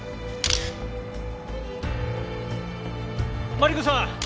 マリコさん！